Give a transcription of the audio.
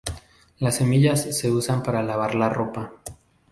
Las semillas se usan para lavar la ropa.